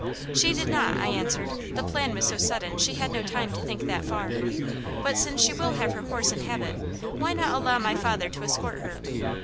'" "'She did not,' I answered. 'The plan was so sudden she had no time to think that far. But since she will have her horse and habit, why not allow my father to escort her?'